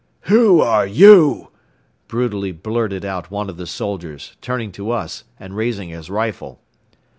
"Who are YOU?" brutally blurted out one of the soldiers, turning to us and raising his rifle.